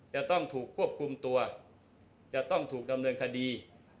จะต้องถูกควบคุมตัวจะต้องถูกดำเนินคดี